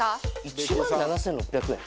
１万７６００円？